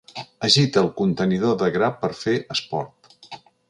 Agita el contenidor de gra per fer esport.